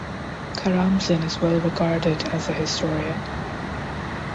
Karamzin is well-regarded as a historian.